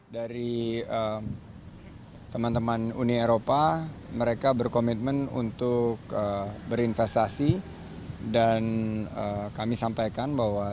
dari teman teman uni eropa mereka berkomitmen untuk berinvestasi dan kami sampaikan bahwa